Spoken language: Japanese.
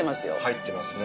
入ってますね。